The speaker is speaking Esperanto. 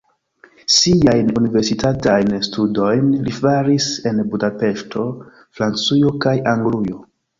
Siajn universitatajn studojn li faris en Budapeŝto, Francujo kaj Anglujo.